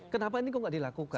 kenapa ini kok nggak dilakukan